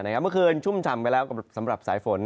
เมื่อคืนชุ่มชำไปแล้วสำหรับสายฝน